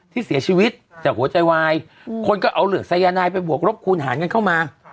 ที่เสียชีวิตจากหัวใจวายคนก็เอาเหลือกสายนายไปบวกรบคูณหารกันเข้ามา